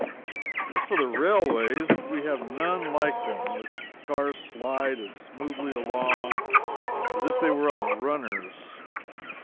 As for the railways we have none like them. The cars slide as smoothly along as if they were on runners.